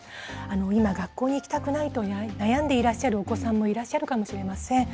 今、学校に行きたくないと悩んでいらっしゃるお子さんもいらっしゃるかもしれません。